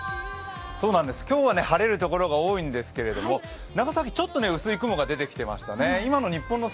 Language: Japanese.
今日は晴れるところが多いんですけども、長崎、ちょっと薄い雲が出てきてましたね。